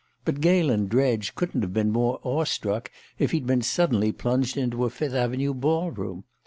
But Galen Dredge couldn't have been more awe struck if he'd been suddenly plunged into a Fifth Avenue ball room.